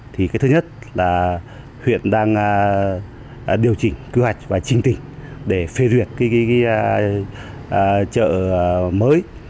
thứ nhất là huyện đang điều chỉnh kế hoạch và trinh tình để phê duyệt chợ mới